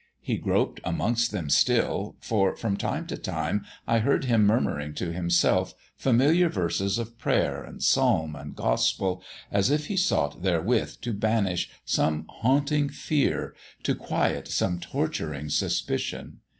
He groped amongst them still, for, from time to time, I heard him murmuring to himself familiar verses of prayer and psalm and gospel, as if he sought therewith to banish some haunting fear, to quiet some torturing suspicion.